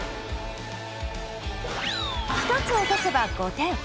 １つ落とせば５点。